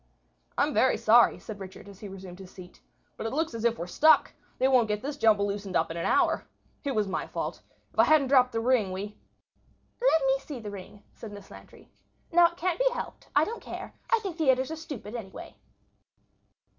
"I'm very sorry," said Richard, as he resumed his seat, "but it looks as if we are stuck. They won't get this jumble loosened up in an hour. It was my fault. If I hadn't dropped the ring we—" "Let me see the ring," said Miss Lantry. "Now that it can't be helped, I don't care. I think theatres are stupid, anyway."